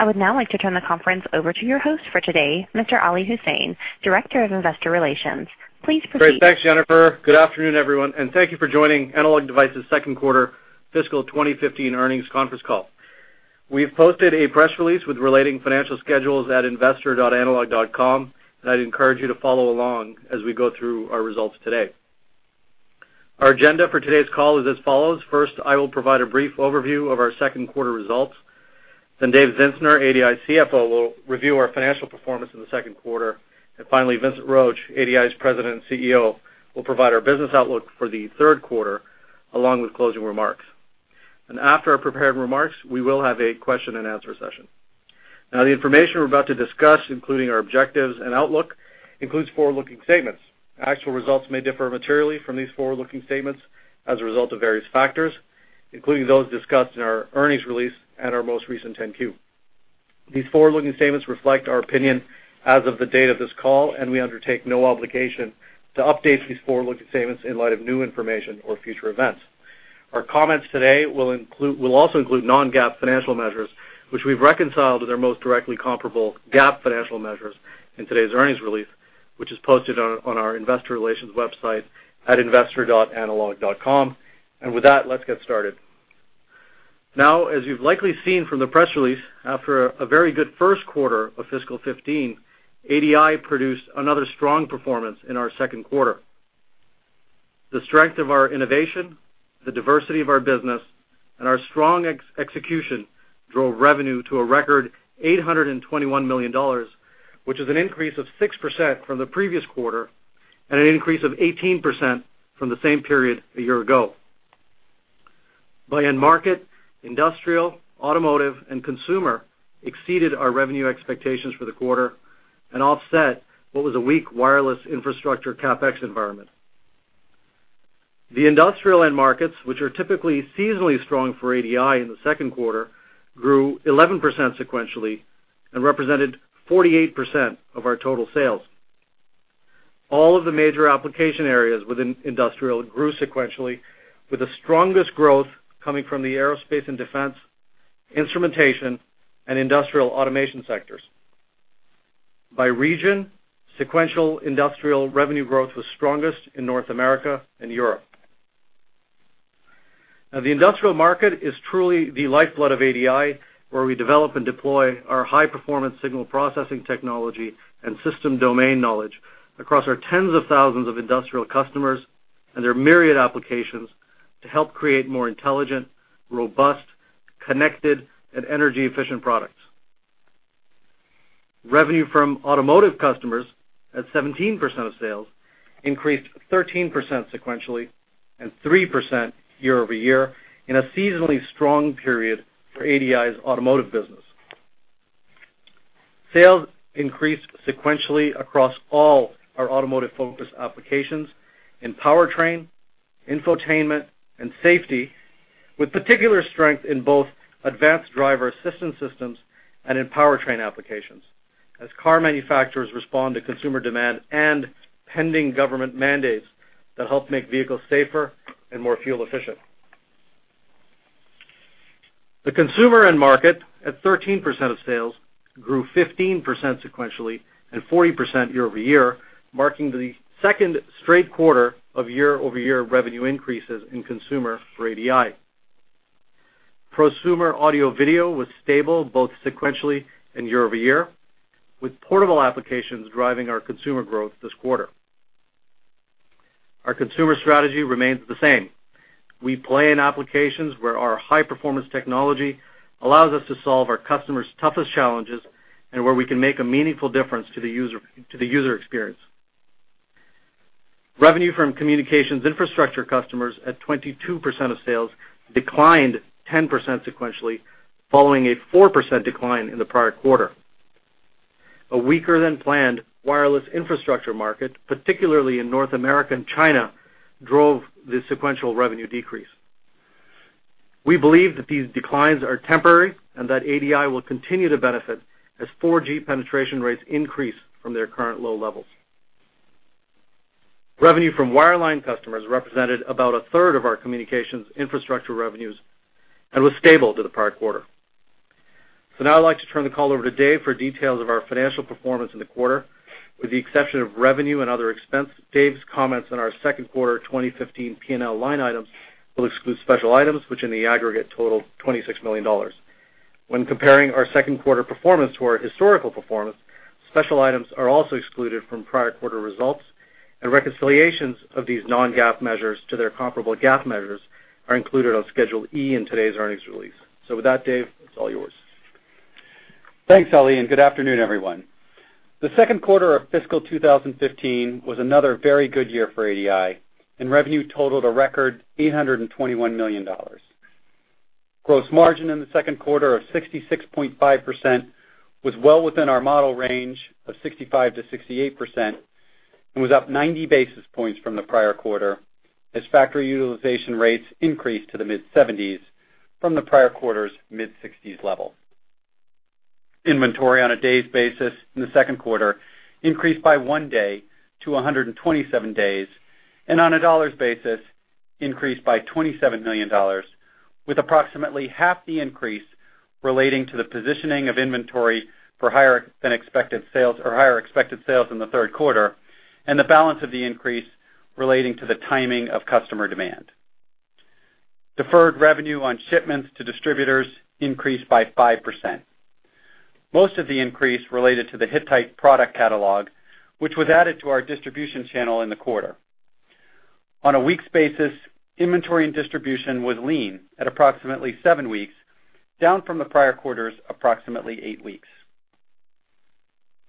I would now like to turn the conference over to your host for today, Mr. Ali Husain, Director of Investor Relations. Please proceed. Great. Thanks, Jennifer. Good afternoon, everyone, thank you for joining Analog Devices' second quarter fiscal 2015 earnings conference call. We've posted a press release with relating financial schedules at investor.analog.com, and I'd encourage you to follow along as we go through our results today. Our agenda for today's call is as follows. First, I will provide a brief overview of our second quarter results. Then Dave Zinsner, ADI CFO, will review our financial performance in the second quarter. Finally, Vincent Roche, ADI's President and CEO, will provide our business outlook for the third quarter, along with closing remarks. After our prepared remarks, we will have a question and answer session. The information we're about to discuss, including our objectives and outlook, includes forward-looking statements. Actual results may differ materially from these forward-looking statements as a result of various factors, including those discussed in our earnings release and our most recent 10-Q. These forward-looking statements reflect our opinion as of the date of this call, and we undertake no obligation to update these forward-looking statements in light of new information or future events. Our comments today will also include non-GAAP financial measures, which we've reconciled to their most directly comparable GAAP financial measures in today's earnings release, which is posted on our investor relations website at investor.analog.com. With that, let's get started. As you've likely seen from the press release, after a very good first quarter of fiscal 2015, ADI produced another strong performance in our second quarter. The strength of our innovation, the diversity of our business, and our strong execution drove revenue to a record $821 million, which is an increase of 6% from the previous quarter and an increase of 18% from the same period a year ago. By end market, industrial, automotive, and consumer exceeded our revenue expectations for the quarter and offset what was a weak wireless infrastructure CapEx environment. The industrial end markets, which are typically seasonally strong for ADI in the second quarter, grew 11% sequentially and represented 48% of our total sales. All of the major application areas within industrial grew sequentially with the strongest growth coming from the aerospace and defense, instrumentation, and industrial automation sectors. By region, sequential industrial revenue growth was strongest in North America and Europe. The industrial market is truly the lifeblood of ADI, where we develop and deploy our high-performance signal processing technology and system domain knowledge across our tens of thousands of industrial customers and their myriad applications to help create more intelligent, robust, connected, and energy-efficient products. Revenue from automotive customers, at 17% of sales, increased 13% sequentially and 3% year-over-year in a seasonally strong period for ADI's automotive business. Sales increased sequentially across all our automotive focus applications in powertrain, infotainment, and safety, with particular strength in both advanced driver assistance systems and in powertrain applications as car manufacturers respond to consumer demand and pending government mandates that help make vehicles safer and more fuel efficient. The consumer end market, at 13% of sales, grew 15% sequentially and 40% year-over-year, marking the second straight quarter of year-over-year revenue increases in consumer for ADI. Prosumer audio video was stable both sequentially and year-over-year, with portable applications driving our consumer growth this quarter. Our consumer strategy remains the same. We play in applications where our high-performance technology allows us to solve our customers' toughest challenges and where we can make a meaningful difference to the user experience. Revenue from communications infrastructure customers at 22% of sales declined 10% sequentially, following a 4% decline in the prior quarter. A weaker-than-planned wireless infrastructure market, particularly in North America and China, drove the sequential revenue decrease. We believe that these declines are temporary and that ADI will continue to benefit as 4G penetration rates increase from their current low levels. Revenue from wireline customers represented about a third of our communications infrastructure revenues and was stable to the prior quarter. Now I'd like to turn the call over to Dave for details of our financial performance in the quarter. With the exception of revenue and other expense, Dave's comments on our second quarter 2015 P&L line items will exclude special items, which in the aggregate total $26 million. When comparing our second quarter performance to our historical performance, special items are also excluded from prior quarter results, and reconciliations of these non-GAAP measures to their comparable GAAP measures are included on Schedule E in today's earnings release. With that, Dave, it's all yours. Thanks, Ali, and good afternoon, everyone. The second quarter of fiscal 2015 was another very good year for ADI, revenue totaled a record $821 million. Gross margin in the second quarter of 66.5% was well within our model range of 65%-68% and was up 90 basis points from the prior quarter as factory utilization rates increased to the mid-70s from the prior quarter's mid-60s level. Inventory on a days basis in the second quarter increased by one day to 127 days on a dollars basis increased by $27 million, with approximately half the increase relating to the positioning of inventory for higher-than-expected sales or higher expected sales in the third quarter, and the balance of the increase relating to the timing of customer demand. Deferred revenue on shipments to distributors increased by 5%. Most of the increase related to the Hittite product catalog, which was added to our distribution channel in the quarter. On a weeks basis, inventory and distribution was lean at approximately seven weeks, down from the prior quarter's approximately eight weeks.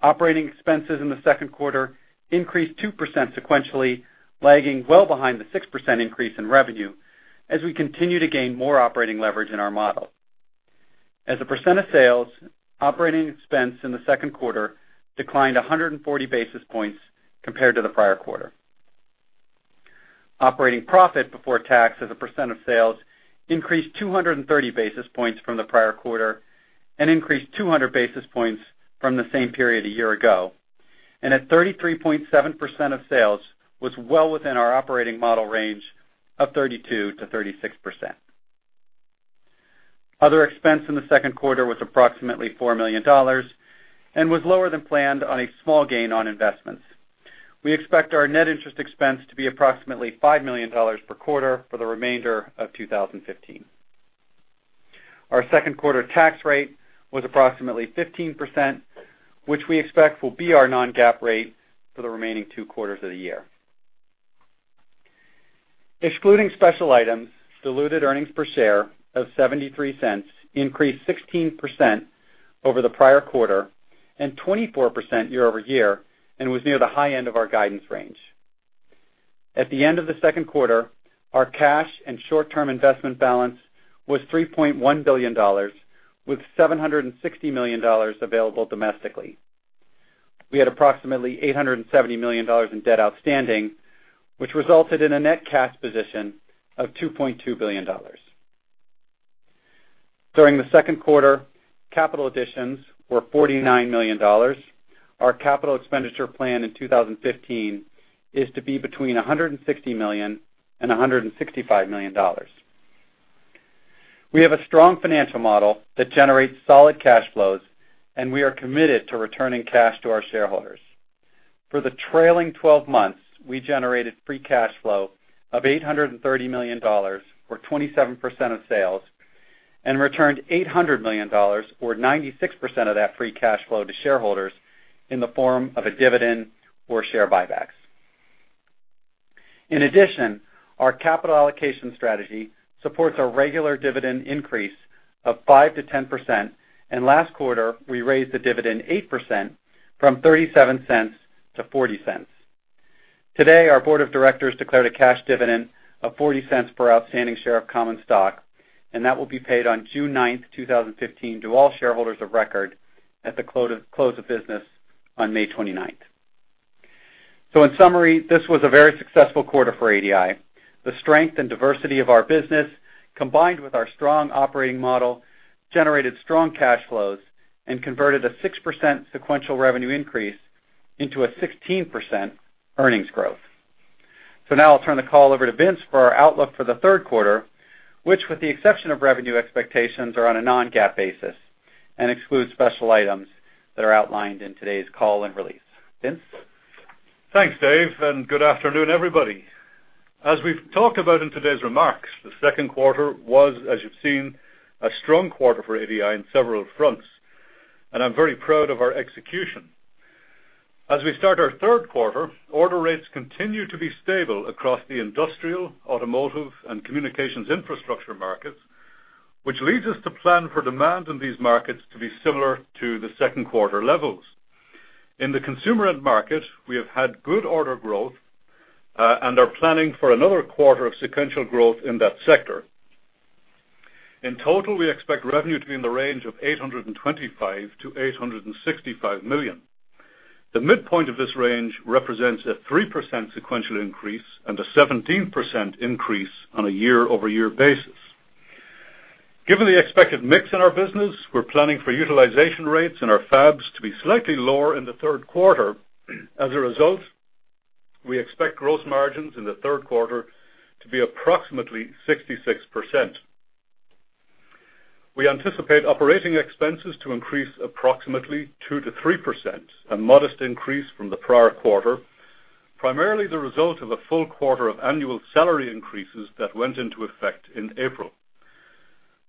Operating expenses in the second quarter increased 2% sequentially, lagging well behind the 6% increase in revenue as we continue to gain more operating leverage in our model. As a percent of sales, operating expense in the second quarter declined 140 basis points compared to the prior quarter. Operating profit before tax as a percent of sales increased 230 basis points from the prior quarter and increased 200 basis points from the same period a year ago, and at 33.7% of sales was well within our operating model range of 32%-36%. Other expense in the second quarter was approximately $4 million and was lower than planned on a small gain on investments. We expect our net interest expense to be approximately $5 million per quarter for the remainder of 2015. Our second quarter tax rate was approximately 15%, which we expect will be our non-GAAP rate for the remaining two quarters of the year. Excluding special items, diluted earnings per share of $0.73 increased 16% over the prior quarter and 24% year-over-year and was near the high end of our guidance range. At the end of the second quarter, our cash and short-term investment balance was $3.1 billion, with $760 million available domestically. We had approximately $870 million in debt outstanding, which resulted in a net cash position of $2.2 billion. During the second quarter, capital additions were $49 million. Our capital expenditure plan in 2015 is to be between $160 million and $165 million. We have a strong financial model that generates solid cash flows, and we are committed to returning cash to our shareholders. For the trailing 12 months, we generated free cash flow of $830 million or 27% of sales and returned $800 million or 96% of that free cash flow to shareholders in the form of a dividend or share buybacks. In addition, our capital allocation strategy supports our regular dividend increase of 5%-10%, and last quarter we raised the dividend 8% from $0.37 to $0.40. Today, our board of directors declared a cash dividend of $0.40 per outstanding share of common stock, and that will be paid on June 9th, 2015, to all shareholders of record at the close of business on May 29th. In summary, this was a very successful quarter for ADI. The strength and diversity of our business, combined with our strong operating model, generated strong cash flows and converted a 6% sequential revenue increase into a 16% earnings growth. Now I'll turn the call over to Vince for our outlook for the third quarter, which, with the exception of revenue expectations, are on a non-GAAP basis and exclude special items that are outlined in today's call and release. Vince? Thanks, Dave, and good afternoon, everybody. As we've talked about in today's remarks, the second quarter was, as you've seen, a strong quarter for ADI on several fronts. I'm very proud of our execution. As we start our third quarter, order rates continue to be stable across the industrial, automotive, and communications infrastructure markets, which leads us to plan for demand in these markets to be similar to the second quarter levels. In the consumer end market, we have had good order growth, and are planning for another quarter of sequential growth in that sector. In total, we expect revenue to be in the range of $825 million-$865 million. The midpoint of this range represents a 3% sequential increase and a 17% increase on a year-over-year basis. Given the expected mix in our business, we're planning for utilization rates in our fabs to be slightly lower in the third quarter. As a result, we expect gross margins in the third quarter to be approximately 66%. We anticipate operating expenses to increase approximately 2%-3%, a modest increase from the prior quarter, primarily the result of a full quarter of annual salary increases that went into effect in April.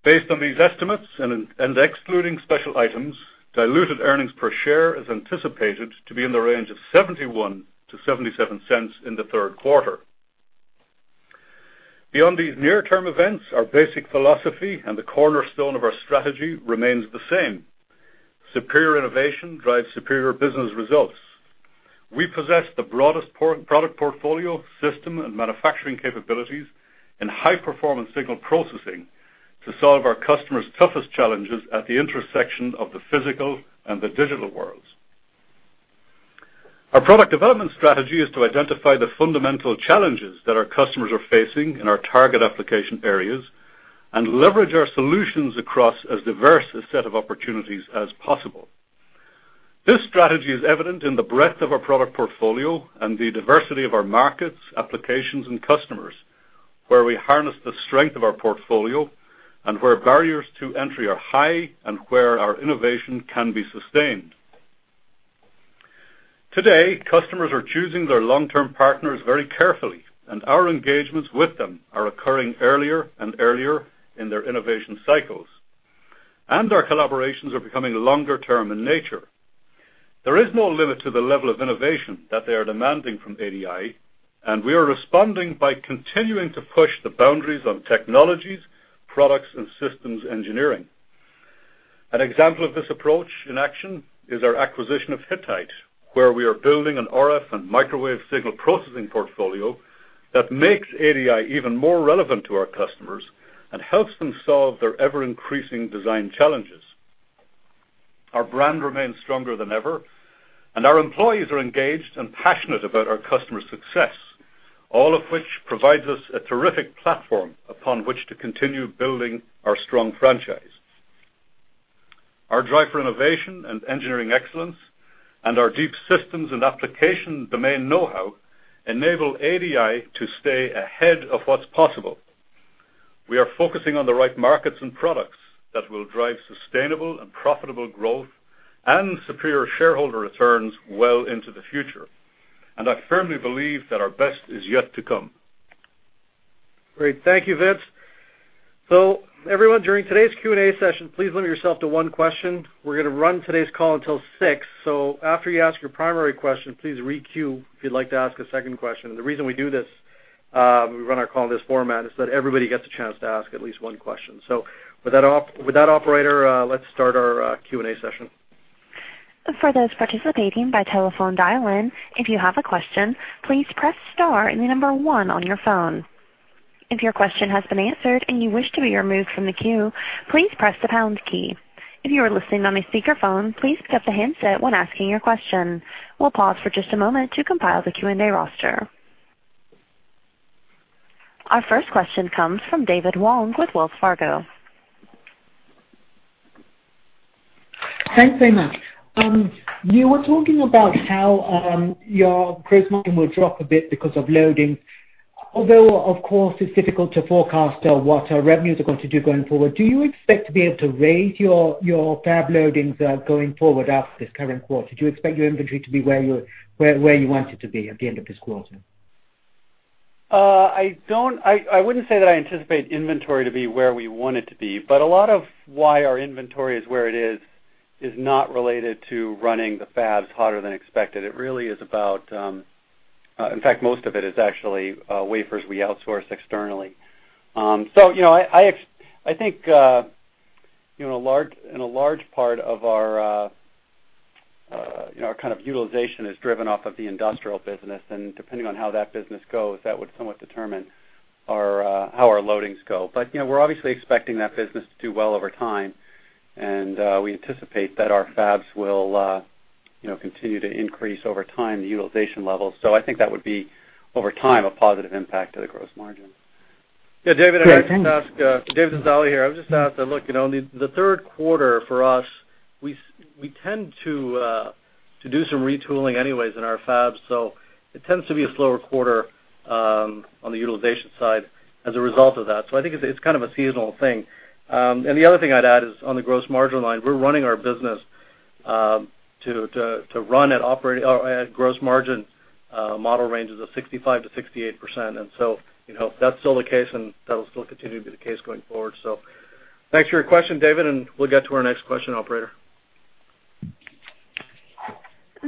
Based on these estimates and excluding special items, diluted earnings per share is anticipated to be in the range of $0.71-$0.77 in the third quarter. Beyond these near-term events, our basic philosophy and the cornerstone of our strategy remains the same. Superior innovation drives superior business results. We possess the broadest product portfolio, system, and manufacturing capabilities and high-performance signal processing to solve our customers' toughest challenges at the intersection of the physical and the digital worlds. Our product development strategy is to identify the fundamental challenges that our customers are facing in our target application areas and leverage our solutions across as diverse a set of opportunities as possible. This strategy is evident in the breadth of our product portfolio and the diversity of our markets, applications, and customers, where we harness the strength of our portfolio and where barriers to entry are high and where our innovation can be sustained. Today, customers are choosing their long-term partners very carefully. Our engagements with them are occurring earlier and earlier in their innovation cycles. Our collaborations are becoming longer-term in nature. There is no limit to the level of innovation that they are demanding from ADI. We are responding by continuing to push the boundaries on technologies, products, and systems engineering. An example of this approach in action is our acquisition of Hittite, where we are building an RF and microwave signal processing portfolio that makes ADI even more relevant to our customers and helps them solve their ever-increasing design challenges. Our brand remains stronger than ever. Our employees are engaged and passionate about our customers' success, all of which provides us a terrific platform upon which to continue building our strong franchise. Our drive for innovation and engineering excellence and our deep systems and application domain know-how enable ADI to stay ahead of what's possible. We are focusing on the right markets and products that will drive sustainable and profitable growth and superior shareholder returns well into the future. I firmly believe that our best is yet to come. Great. Thank you, Vince. Everyone, during today's Q&A session, please limit yourself to one question. We're going to run today's call until 6:00, after you ask your primary question, please re-queue if you'd like to ask a second question. The reason we do this, we run our call in this format, is that everybody gets a chance to ask at least one question. With that, operator, let's start our Q&A session. For those participating by telephone dial-in, if you have a question, please press star and the number one on your phone. If your question has been answered and you wish to be removed from the queue, please press the pound key. If you are listening on a speakerphone, please pick up the handset when asking your question. We'll pause for just a moment to compile the Q&A roster. Our first question comes from David Wong with Wells Fargo. Thanks very much. You were talking about how your gross margin will drop a bit because of loading. Although, of course, it's difficult to forecast what our revenues are going to do going forward, do you expect to be able to raise your fab loadings going forward after this current quarter? Do you expect your inventory to be where you want it to be at the end of this quarter? I wouldn't say that I anticipate inventory to be where we want it to be, but a lot of why our inventory is where it is not related to running the fabs hotter than expected. In fact, most of it is actually wafers we outsource externally. I think, a large part of our kind of utilization is driven off of the industrial business, and depending on how that business goes, that would somewhat determine how our loadings go. We're obviously expecting that business to do well over time, and we anticipate that our fabs will continue to increase over time, the utilization levels. I think that would be, over time, a positive impact to the gross margin. Yeah, David, I'd like to ask David Zinsner here, I would just ask, look, the third quarter for us, we tend to do some retooling anyways in our fabs, it tends to be a slower quarter on the utilization side as a result of that. I think it's kind of a seasonal thing. The other thing I'd add is on the gross margin line, we're running our business to run at operating or at gross margin model ranges of 65%-68%, that's still the case, and that'll still continue to be the case going forward. Thanks for your question, David, and we'll get to our next question, operator.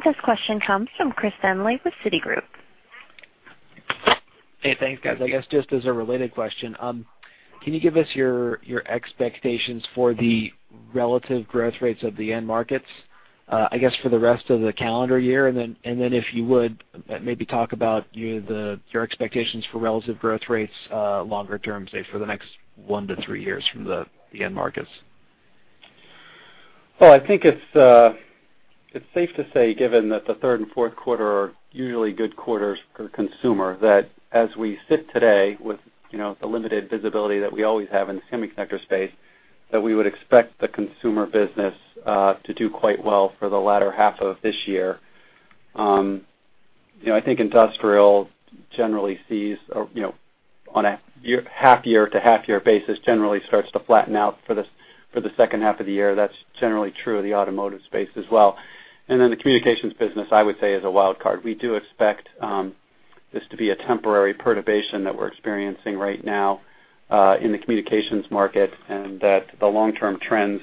This question comes from Christopher Danely with Citigroup. Hey, thanks, guys. I guess just as a related question, can you give us your expectations for the relative growth rates of the end markets, I guess, for the rest of the calendar year? If you would, maybe talk about your expectations for relative growth rates longer term, say, for the next one to three years from the end markets. I think it's safe to say, given that the third and fourth quarter are usually good quarters for consumer, that as we sit today with the limited visibility that we always have in the semiconductor space, that we would expect the consumer business to do quite well for the latter half of this year. I think industrial generally sees, on a half-year to half-year basis, generally starts to flatten out for the second half of the year. That's generally true of the automotive space as well. The communications business, I would say, is a wild card. We do expect this to be a temporary perturbation that we're experiencing right now in the communications market, and that the long-term trends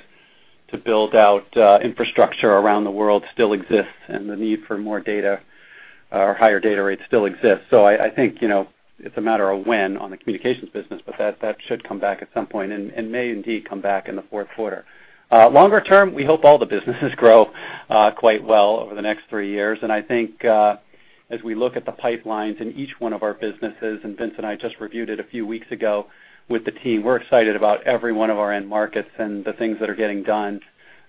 to build out infrastructure around the world still exists, and the need for more data or higher data rates still exists. I think it's a matter of when on the communications business, but that should come back at some point and may indeed come back in the fourth quarter. Longer term, we hope all the businesses grow quite well over the next three years. I think as we look at the pipelines in each one of our businesses, Vince and I just reviewed it a few weeks ago with the team, we're excited about every one of our end markets and the things that are getting done,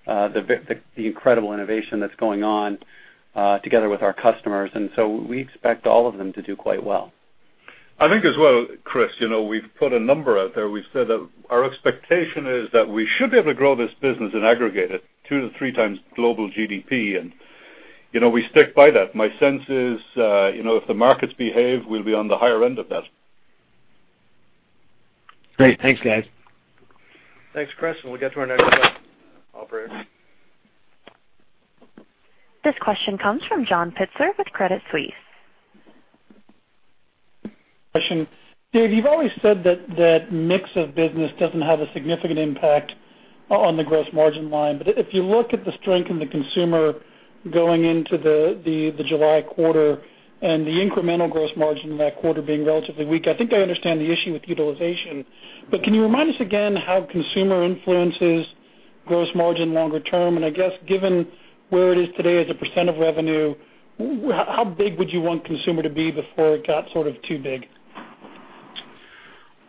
the incredible innovation that's going on together with our customers. We expect all of them to do quite well. I think as well, Chris, we've put a number out there. We've said that our expectation is that we should be able to grow this business and aggregate it two to three times global GDP. We stick by that. My sense is, if the markets behave, we'll be on the higher end of that. Great. Thanks, guys. Thanks, Chris. We'll get to our next question, operator. This question comes from John Pitzer with Credit Suisse. Question. Dave, you've always said that mix of business doesn't have a significant impact on the gross margin line. If you look at the strength in the consumer going into the July quarter and the incremental gross margin in that quarter being relatively weak, I think I understand the issue with utilization. Can you remind us again how consumer influences gross margin longer term? I guess given where it is today as a % of revenue, how big would you want consumer to be before it got sort of too big?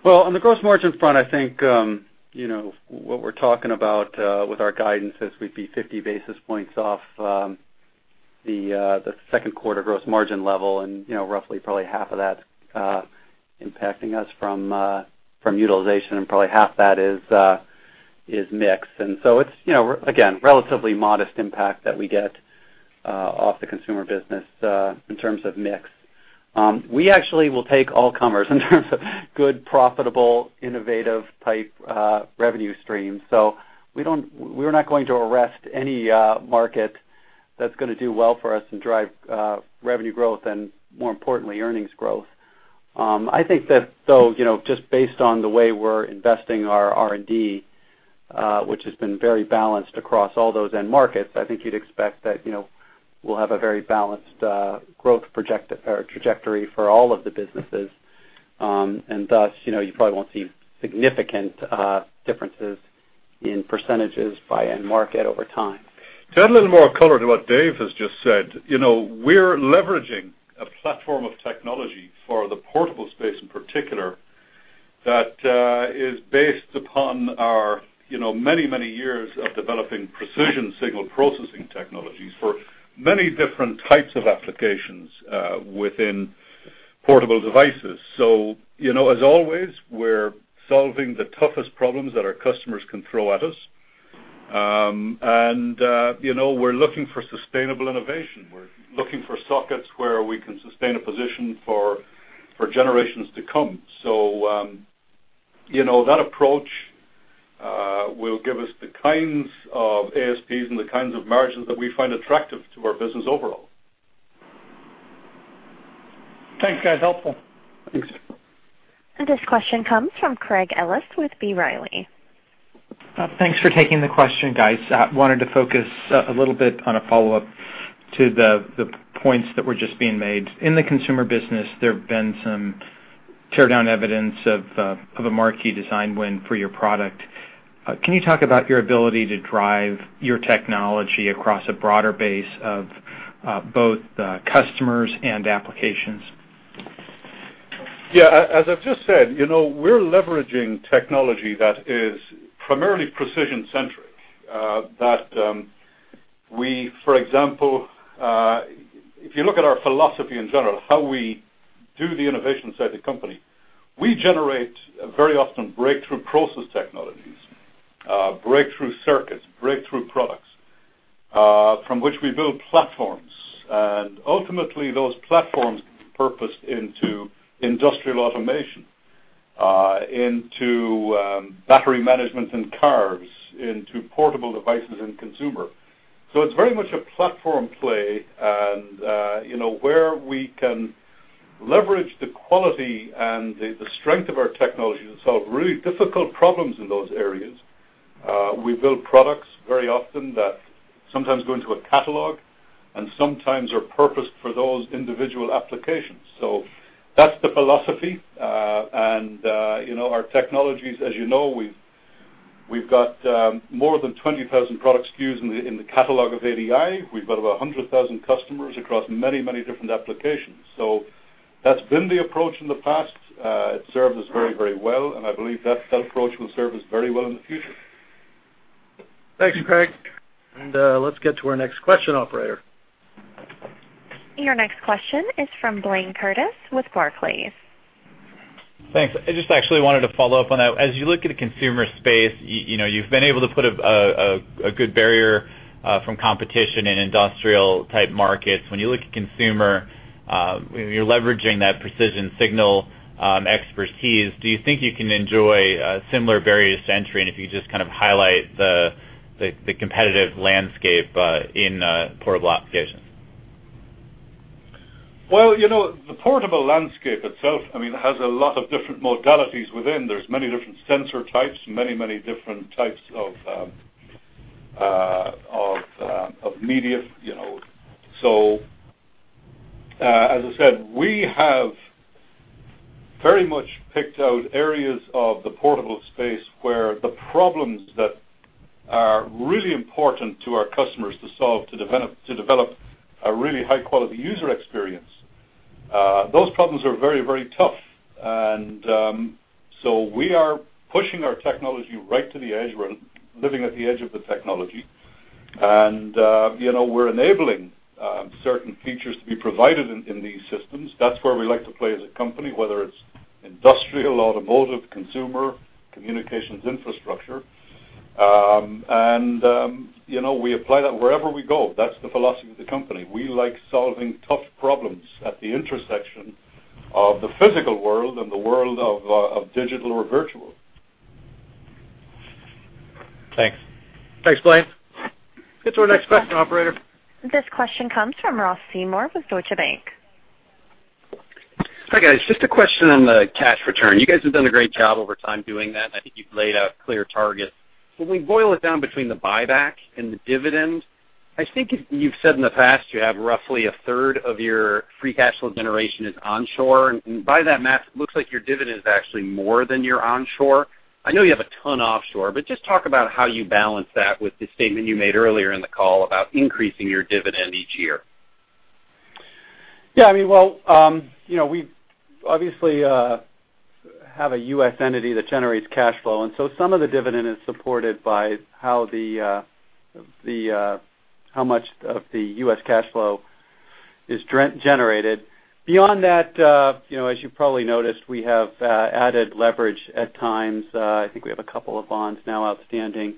Well, on the gross margins front, I think, what we're talking about with our guidance is we'd be 50 basis points off the second quarter gross margin level and roughly probably half of that's impacting us from utilization and probably half that is mix. It's, again, relatively modest impact that we get off the consumer business, in terms of mix. We actually will take all comers in terms of good, profitable, innovative type revenue streams. We're not going to arrest any market that's going to do well for us and drive revenue growth and more importantly, earnings growth. I think that though, just based on the way we're investing our R&D, which has been very balanced across all those end markets, I think you'd expect that we'll have a very balanced growth trajectory for all of the businesses. Thus, you probably won't see significant differences in % by end market over time. To add a little more color to what Dave has just said, we're leveraging a platform of technology for the portable space in particular, that is based upon our many years of developing precision signal processing technologies for many different types of applications within portable devices. As always, we're solving the toughest problems that our customers can throw at us. We're looking for sustainable innovation. We're looking for sockets where we can sustain a position for generations to come. That approach will give us the kinds of ASPs and the kinds of margins that we find attractive to our business overall. Thanks, guys. Helpful. Thanks. This question comes from Craig Ellis with B. Riley. Thanks for taking the question, guys. Wanted to focus a little bit on a follow-up to the points that were just being made. In the consumer business, there have been some teardown evidence of a marquee design win for your product. Can you talk about your ability to drive your technology across a broader base of both customers and applications? Yeah. As I've just said, we're leveraging technology that is primarily precision centric, we generate very often breakthrough process technologies, breakthrough circuits, breakthrough products, from which we build platforms. Ultimately, those platforms are purposed into industrial automation, into battery management in cars, into portable devices in consumer. It's very much a platform play and where we can leverage the quality and the strength of our technology to solve really difficult problems in those areas, we build products very often that sometimes go into a catalog and sometimes are purposed for those individual applications. That's the philosophy. Our technologies, as you know, we've got more than 20,000 product SKUs in the catalog of ADI. We've got about 100,000 customers across many different applications. That's been the approach in the past. It served us very well, and I believe that approach will serve us very well in the future. Thanks, Craig. Let's get to our next question, operator. Your next question is from Blayne Curtis with Barclays. Thanks. I just actually wanted to follow up on that. As you look at a consumer space, you've been able to put a good barrier from competition in industrial type markets. When you look at consumer, when you're leveraging that precision signal expertise, do you think you can enjoy a similar barrier to entry? If you just kind of highlight the competitive landscape in portable applications. Well, the portable landscape itself, has a lot of different modalities within. There's many different sensor types, many different types of media. As I said, we have very much picked out areas of the portable space where the problems that are really important to our customers to solve, to develop a really high-quality user experience. Those problems are very tough. We are pushing our technology right to the edge. We're living at the edge of the technology. We're enabling certain features to be provided in these systems. That's where we like to play as a company, whether it's industrial, automotive, consumer, communications infrastructure. We apply that wherever we go. That's the philosophy of the company. We like solving tough problems at the intersection of the physical world and the world of digital or virtual. Thanks. Thanks, Blayne. Get to our next question, operator. This question comes from Ross Seymore with Deutsche Bank. Hi, guys. Just a question on the cash return. You guys have done a great job over time doing that. I think you've laid out clear targets. When we boil it down between the buyback and the dividend, I think you've said in the past you have roughly a third of your free cash flow generation is onshore. By that math, it looks like your dividend is actually more than your onshore. I know you have a ton offshore. Just talk about how you balance that with the statement you made earlier in the call about increasing your dividend each year. Yeah. We obviously have a U.S. entity that generates cash flow. Some of the dividend is supported by how much of the U.S. cash flow is generated. Beyond that, as you probably noticed, we have added leverage at times. I think we have a couple of bonds now outstanding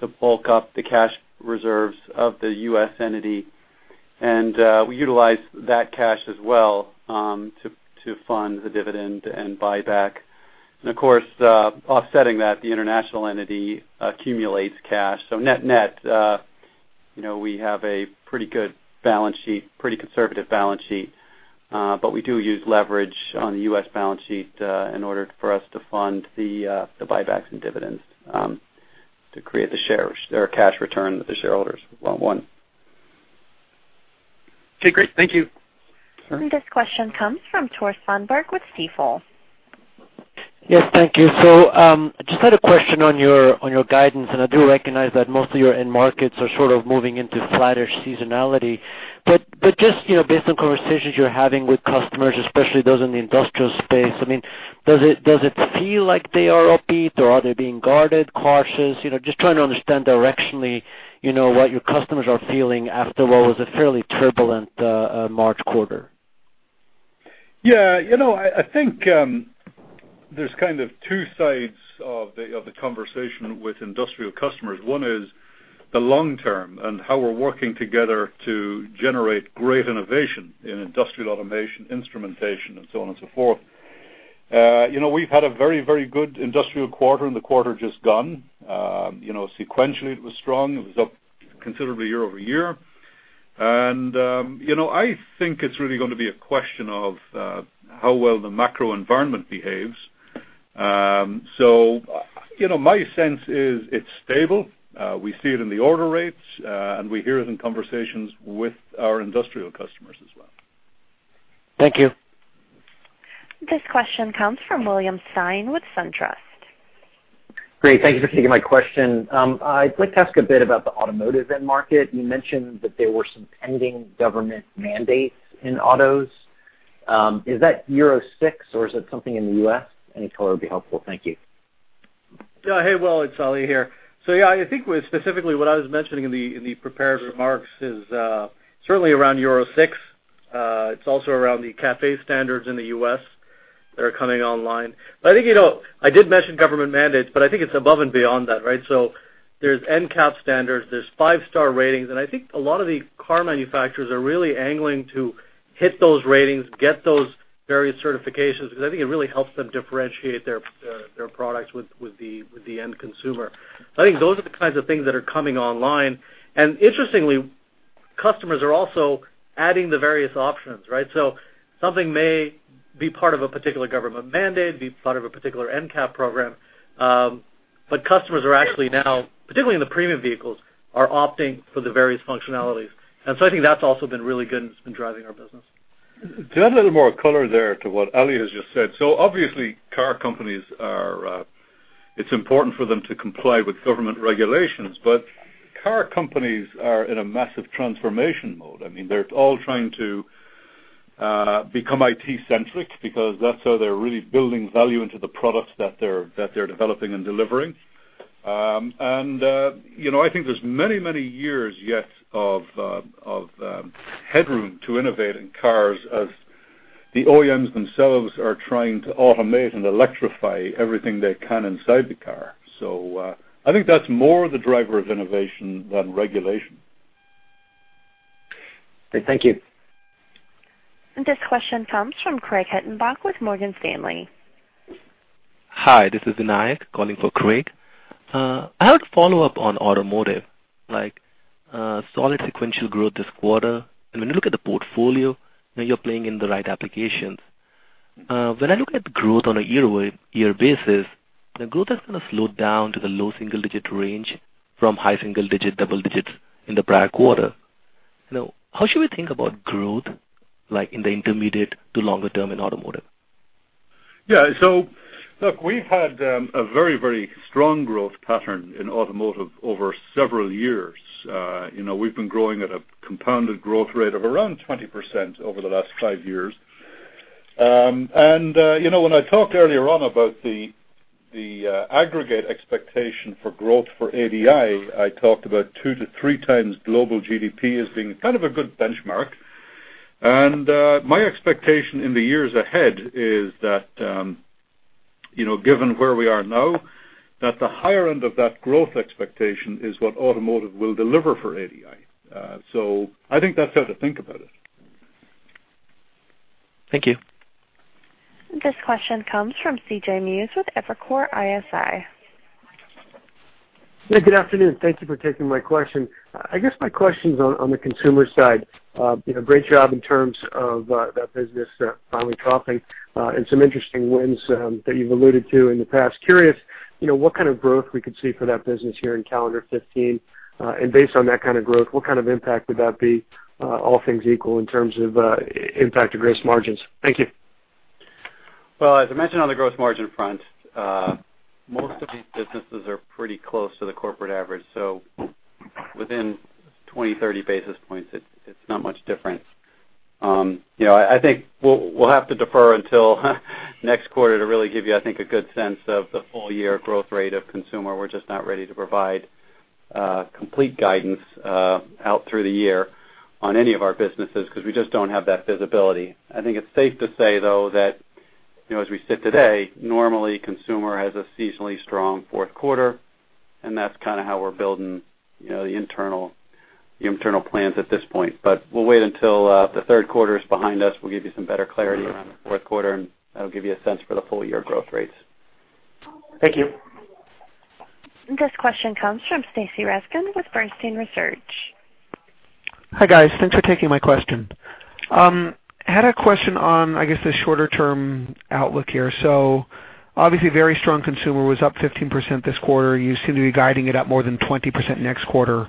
to bulk up the cash reserves of the U.S. entity. We utilize that cash as well, to fund the dividend and buyback. Of course, offsetting that, the international entity accumulates cash. Net-net, we have a pretty good balance sheet, pretty conservative balance sheet. We do use leverage on the U.S. balance sheet, in order for us to fund the buybacks and dividends, to create the cash return that the shareholders want. Okay, great. Thank you. This question comes from Tore Svanberg with Stifel. Yes, thank you. Just had a question on your guidance, I do recognize that most of your end markets are sort of moving into flattish seasonality. Just based on conversations you're having with customers, especially those in the industrial space, does it feel like they are upbeat or are they being guarded, cautious? Just trying to understand directionally what your customers are feeling after what was a fairly turbulent March quarter. Yeah. I think there's kind of two sides of the conversation with industrial customers. One is the long term and how we're working together to generate great innovation in industrial automation, instrumentation, and so on and so forth. We've had a very good industrial quarter in the quarter just gone. Sequentially it was strong. It was up considerably year-over-year. I think it's really going to be a question of how well the macro environment behaves. My sense is it's stable. We see it in the order rates. We hear it in conversations with our industrial customers as well. Thank you. This question comes from William Stein with SunTrust. Great. Thank you for taking my question. I'd like to ask a bit about the automotive end market. You mentioned that there were some pending government mandates in autos. Is that Euro 6 or is it something in the U.S.? Any color would be helpful. Thank you. Hey, Will, it's Ali here. I think specifically what I was mentioning in the prepared remarks is certainly around Euro 6. It's also around the CAFE standards in the U.S. that are coming online. I did mention government mandates, I think it's above and beyond that, right? There's NCAP standards, there's five-star ratings, I think a lot of the car manufacturers are really angling to hit those ratings, get those various certifications, because I think it really helps them differentiate their products with the end consumer. I think those are the kinds of things that are coming online. Interestingly, customers are also adding the various options, right? Something may be part of a particular government mandate, be part of a particular NCAP program. Customers are actually now, particularly in the premium vehicles, are opting for the various functionalities. I think that's also been really good and it's been driving our business. To add a little more color there to what Ali has just said. Obviously car companies, it's important for them to comply with government regulations. Car companies are in a massive transformation mode. They're all trying to become IT centric because that's how they're really building value into the products that they're developing and delivering. I think there's many years yet of headroom to innovate in cars as the OEMs themselves are trying to automate and electrify everything they can inside the car. I think that's more the driver of innovation than regulation. Okay. Thank you. This question comes from Craig Hettenbach with Morgan Stanley. Hi, this is Vinayak calling for Craig. I have a follow-up on automotive, like, solid sequential growth this quarter. When you look at the portfolio, you're playing in the right applications. When I look at growth on a year-over-year basis, the growth has kind of slowed down to the low single-digit range from high single-digit, double digits in the prior quarter. How should we think about growth, like, in the intermediate to longer term in automotive? Look, we've had a very strong growth pattern in automotive over several years. We've been growing at a compounded growth rate of around 20% over the last five years. When I talked earlier on about the aggregate expectation for growth for ADI, I talked about two to three times global GDP as being kind of a good benchmark. My expectation in the years ahead is that, given where we are now, that the higher end of that growth expectation is what automotive will deliver for ADI. I think that's how to think about it. Thank you. This question comes from C.J. Muse with Evercore ISI. Good afternoon. Thank you for taking my question. I guess my question's on the consumer side. Great job in terms of that business finally topping, and some interesting wins that you've alluded to in the past. Curious, what kind of growth we could see for that business here in calendar 2015. Based on that kind of growth, what kind of impact would that be, all things equal, in terms of impact to gross margins? Thank you. Well, as I mentioned on the gross margin front, most of these businesses are pretty close to the corporate average, so within 20, 30 basis points, it's not much different. I think we'll have to defer until next quarter to really give you, I think, a good sense of the full-year growth rate of consumer. We're just not ready to provide complete guidance out through the year on any of our businesses, because we just don't have that visibility. I think it's safe to say, though, that as we sit today, normally consumer has a seasonally strong fourth quarter, and that's kind of how we're building the internal plans at this point. We'll wait until the third quarter is behind us. We'll give you some better clarity around the fourth quarter, and that'll give you a sense for the full-year growth rates. Thank you. This question comes from Stacy Rasgon with Bernstein Research. Hi, guys. Thanks for taking my question. Had a question on, I guess, the shorter-term outlook here. Obviously very strong consumer, was up 15% this quarter. You seem to be guiding it up more than 20% next quarter.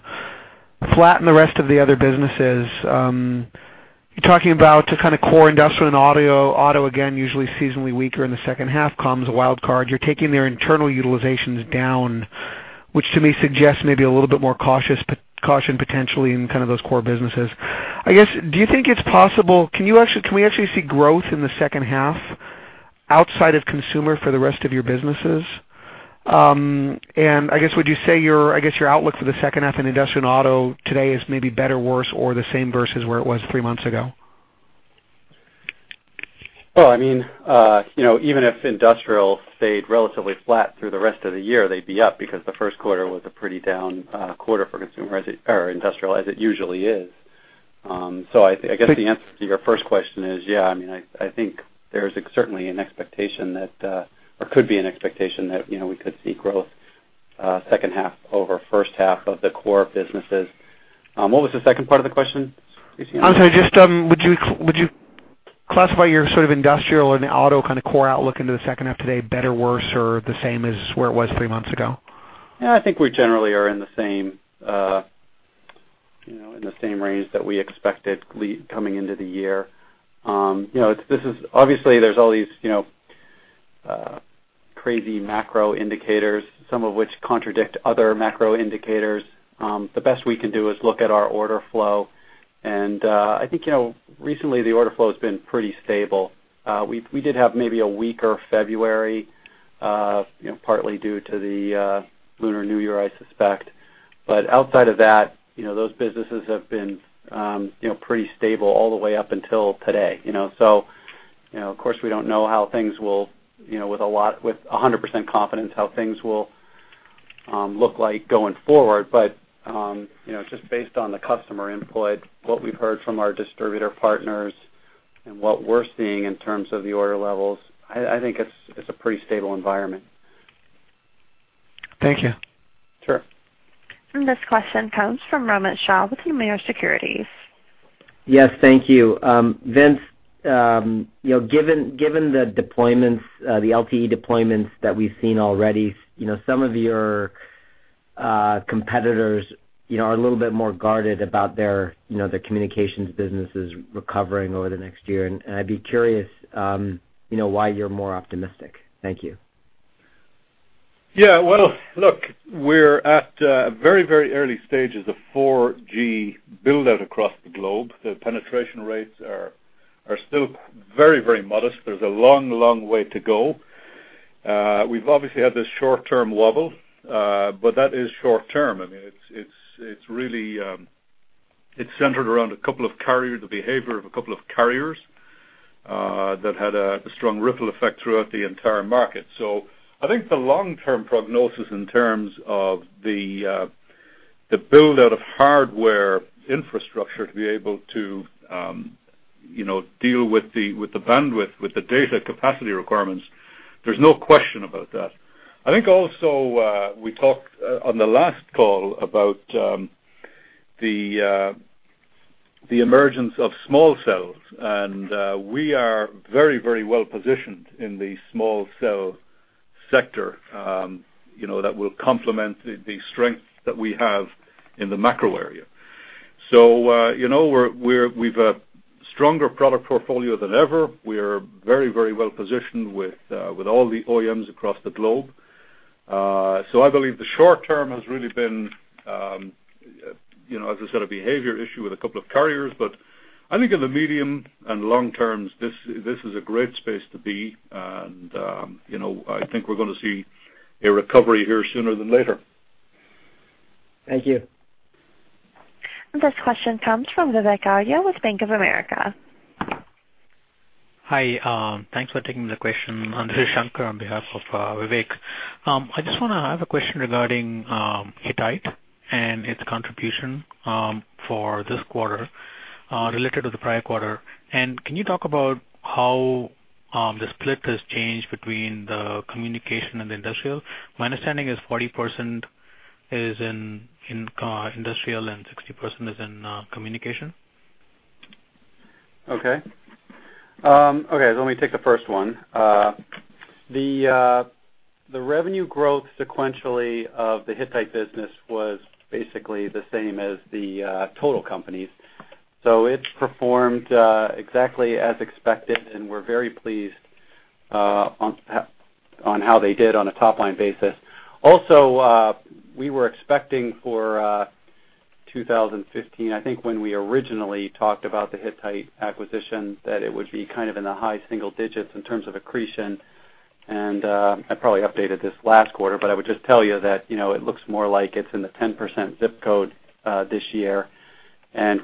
Flat in the rest of the other businesses. You're talking about kind of core industrial and auto. Auto, again, usually seasonally weaker in the second half. Com's a wild card. You're taking their internal utilizations down, which to me suggests maybe a little bit more caution potentially in kind of those core businesses. I guess, do you think it's possible, can we actually see growth in the second half outside of consumer for the rest of your businesses? And I guess, would you say your outlook for the second half in industrial and auto today is maybe better or worse or the same versus where it was three months ago? Well, even if industrial stayed relatively flat through the rest of the year, they'd be up because the first quarter was a pretty down quarter for industrial, as it usually is. I guess the answer to your first question is, yeah, I think there's certainly an expectation that, or could be an expectation that we could see growth second half over first half of the core businesses. What was the second part of the question, Stacy? I'm sorry, just would you classify your sort of industrial and auto kind of core outlook into the second half today better, worse, or the same as where it was three months ago? Yeah, I think we generally are in the same range that we expected coming into the year. Obviously, there's all these crazy macro indicators, some of which contradict other macro indicators. The best we can do is look at our order flow, and I think recently the order flow has been pretty stable. We did have maybe a weaker February, partly due to the Lunar New Year, I suspect. Outside of that, those businesses have been pretty stable all the way up until today. Of course, we don't know with 100% confidence how things will look like going forward. Just based on the customer input, what we've heard from our distributor partners and what we're seeing in terms of the order levels, I think it's a pretty stable environment. Thank you. Sure. this question comes from Romit Shah with Nomura Securities. Yes, thank you. Vince, given the LTE deployments that we've seen already, some of your competitors are a little bit more guarded about their communications businesses recovering over the next year, and I'd be curious why you're more optimistic. Thank you. Well, look, we're at very early stages of 4G build-out across the globe. The penetration rates are still very modest. There's a long way to go. We've obviously had this short-term wobble, but that is short-term. It's centered around the behavior of a couple of carriers that had a strong ripple effect throughout the entire market. I think the long-term prognosis in terms of the build-out of hardware infrastructure to be able to deal with the bandwidth, with the data capacity requirements, there's no question about that. I think also, we talked on the last call about the emergence of small cells, and we are very well-positioned in the small cell sector that will complement the strength that we have in the macro area. We've a stronger product portfolio than ever. We are very well-positioned with all the OEMs across the globe. I believe the short term has really been, as I said, a behavior issue with a couple of carriers. I think in the medium and long terms, this is a great space to be. I think we're going to see a recovery here sooner than later. Thank you. This question comes from Vivek Arya with Bank of America. Hi. Thanks for taking the question. This is Shankar on behalf of Vivek. I have a question regarding Hittite and its contribution for this quarter related to the prior quarter. Can you talk about how the split has changed between the communication and the industrial? My understanding is 40% is in industrial and 60% is in communication. Let me take the first one. The revenue growth sequentially of the Hittite business was basically the same as the total company. It performed exactly as expected, and we're very pleased on how they did on a top-line basis. Also, we were expecting for 2015, I think when we originally talked about the Hittite acquisition, that it would be kind of in the high single digits in terms of accretion. I probably updated this last quarter, but I would just tell you that it looks more like it's in the 10% zip code this year.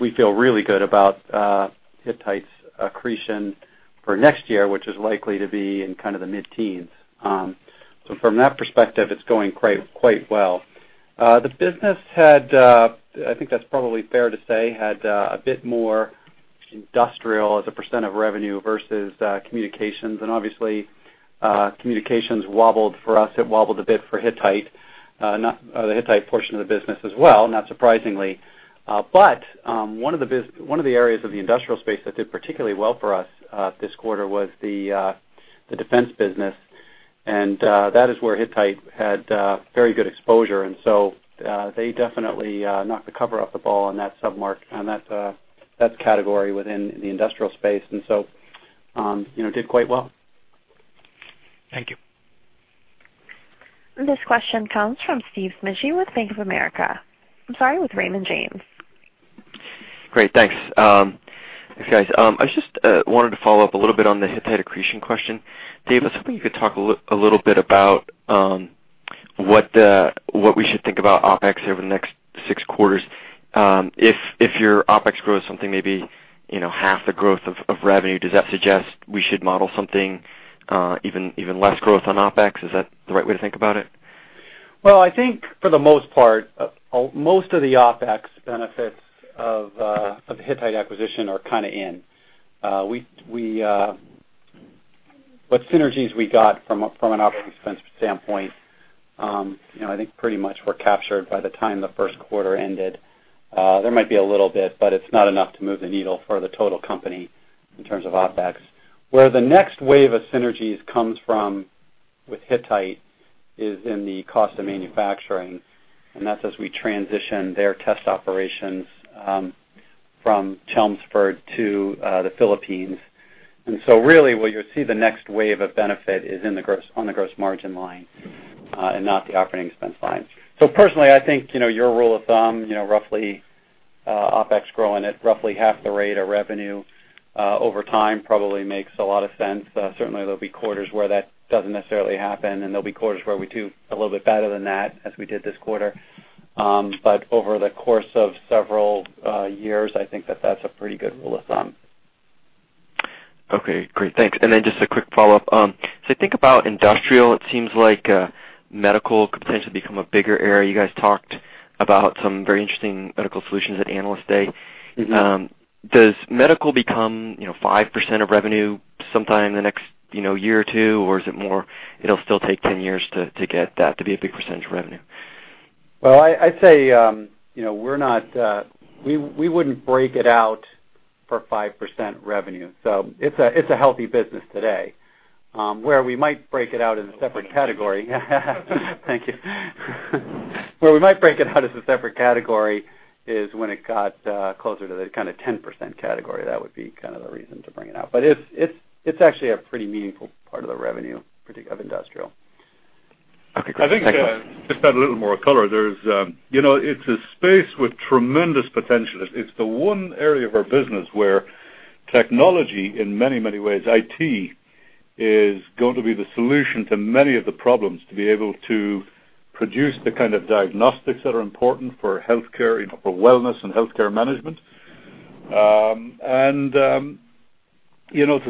We feel really good about Hittite's accretion for next year, which is likely to be in kind of the mid-teens. From that perspective, it's going quite well. The business had, I think that's probably fair to say, had a bit more industrial as a percent of revenue versus communications. Obviously, communications wobbled for us. It wobbled a bit for the Hittite portion of the business as well, not surprisingly. One of the areas of the industrial space that did particularly well for us this quarter was the defense business, and that is where Hittite had very good exposure. They definitely knocked the cover off the ball on that category within the industrial space, did quite well. Thank you. This question comes from Steve Smigie with Bank of America. I'm sorry, with Raymond James. Great. Thanks. Thanks, guys. I just wanted to follow up a little bit on the Hittite accretion question. Dave, I was hoping you could talk a little bit about what we should think about OpEx over the next 6 quarters. If your OpEx grows something maybe half the growth of revenue, does that suggest we should model something even less growth on OpEx? Is that the right way to think about it? I think for the most part, most of the OpEx benefits of the Hittite acquisition are kind of in. What synergies we got from an operating expense standpoint, I think pretty much were captured by the time the first quarter ended. There might be a little bit, but it's not enough to move the needle for the total company in terms of OpEx. Really, where you'll see the next wave of benefit is on the gross margin line and not the operating expense line. Personally, I think your rule of thumb, roughly OpEx growing at roughly half the rate of revenue over time probably makes a lot of sense. Certainly, there'll be quarters where that doesn't necessarily happen, and there'll be quarters where we do a little bit better than that, as we did this quarter. Over the course of several years, I think that that's a pretty good rule of thumb. Okay, great. Thanks. Then just a quick follow-up. As I think about industrial, it seems like medical could potentially become a bigger area. You guys talked about some very interesting medical solutions at Analyst Day. Does medical become 5% of revenue sometime in the next year or two, or is it more it'll still take 10 years to get that to be a big percentage of revenue? Well, I'd say we wouldn't break it out for 5% revenue. It's a healthy business today. Where we might break it out as a separate category is when it got closer to the kind of 10% category. That would be kind of the reason to bring it out. It's actually a pretty meaningful part of the revenue of Industrial. Okay, great. Thanks. I think, just to add a little more color, it's a space with tremendous potential. It's the one area of our business where technology, in many ways, IT, is going to be the solution to many of the problems to be able to produce the kind of diagnostics that are important for healthcare, for wellness and healthcare management.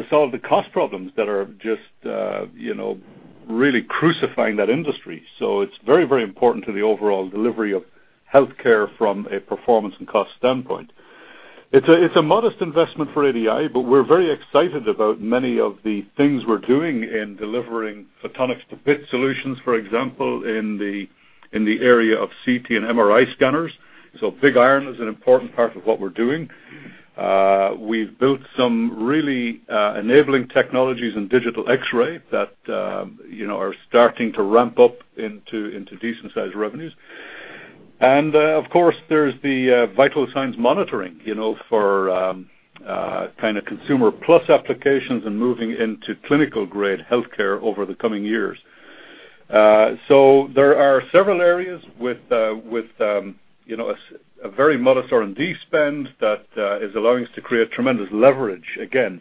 To solve the cost problems that are just really crucifying that industry. It's very important to the overall delivery of healthcare from a performance and cost standpoint. It's a modest investment for ADI, but we're very excited about many of the things we're doing in delivering photonics to bit solutions, for example, in the area of CT and MRI scanners. Big iron is an important part of what we're doing. We've built some really enabling technologies in digital X-ray that are starting to ramp up into decent-sized revenues. Of course, there's the vital signs monitoring, for consumer plus applications and moving into clinical grade healthcare over the coming years. There are several areas with a very modest R&D spend that is allowing us to create tremendous leverage, again,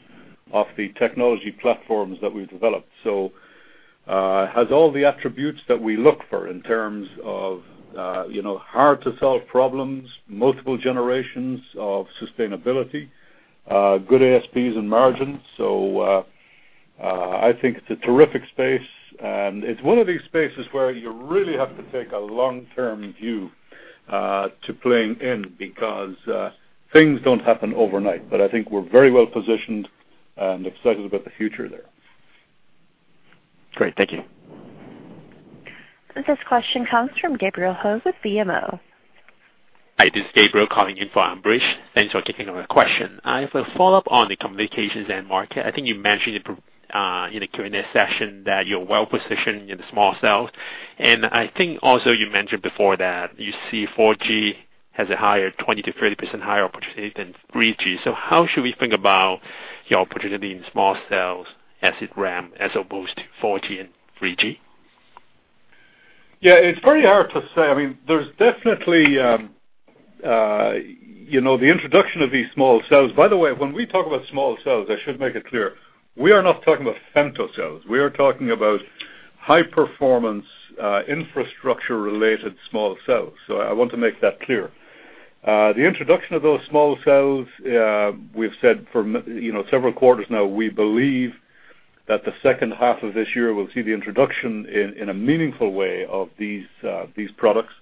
off the technology platforms that we've developed. Has all the attributes that we look for in terms of hard-to-solve problems, multiple generations of sustainability, good ASPs and margins. I think it's a terrific space, and it's one of these spaces where you really have to take a long-term view to playing in, because things don't happen overnight. I think we're very well positioned and excited about the future there. Great. Thank you. This question comes from Gabriel Ho with BMO. Hi, this is Gabriel calling in for Ambrish. Thanks for taking our question. I have a follow-up on the communications end market. I think you mentioned it in the Q&A session that you're well-positioned in the small cells, and I think also you mentioned before that you see 4G has a higher 20%-30% higher opportunity than 3G. How should we think about your opportunity in small cells as it ramp as opposed to 4G and 3G? Yeah, it's very hard to say. There's definitely the introduction of these small cells. By the way, when we talk about small cells, I should make it clear, we are not talking about femto cells. We are talking about high-performance, infrastructure-related small cells. I want to make that clear. The introduction of those small cells, we've said for several quarters now, we believe that the second half of this year will see the introduction in a meaningful way of these products,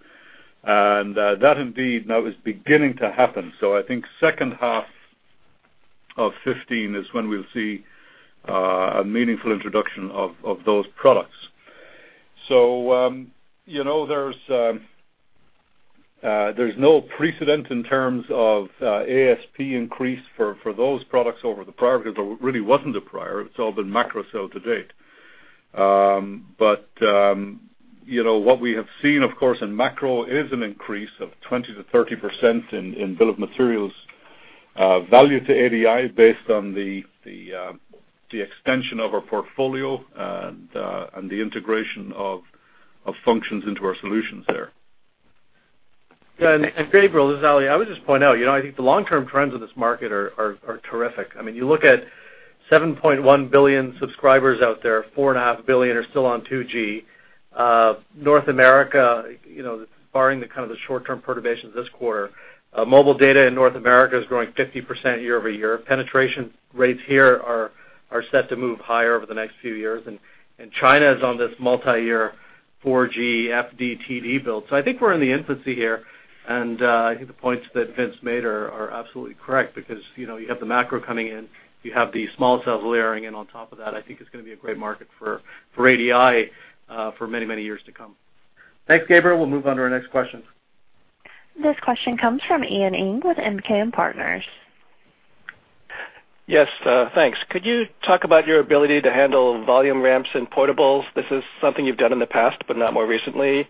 and that indeed now is beginning to happen. I think second half of 2015 is when we'll see a meaningful introduction of those products. There's no precedent in terms of ASP increase for those products over the prior, because there really wasn't a prior. It's all been macro cell to date. What we have seen, of course, in macro is an increase of 20% to 30% in bill of materials value to ADI based on the extension of our portfolio and the integration of functions into our solutions there. Gabriel, this is Ali. I would just point out, I think the long-term trends of this market are terrific. You look at 7.1 billion subscribers out there, 4.5 billion are still on 2G. North America, barring the short-term perturbations this quarter, mobile data in North America is growing 50% year-over-year. Penetration rates here are set to move higher over the next few years, China is on this multi-year 4G FDD, TD build. I think we're in the infancy here, and I think the points that Vince made are absolutely correct because you have the macro coming in, you have the small cells layering in on top of that. I think it's going to be a great market for ADI for many, many years to come. Thanks, Gabriel. We'll move on to our next question. This question comes from Ian Ing with MKM Partners. Yes, thanks. Could you talk about your ability to handle volume ramps in portables? This is something you've done in the past, but not more recently.